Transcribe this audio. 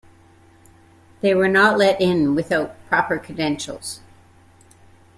They were not let in without proper credentials.